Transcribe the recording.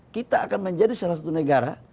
kita akan menjadi salah satu negara